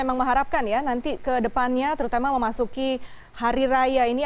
saya memang mengharapkan ya nanti kedepannya terutama memasuki hari raya ini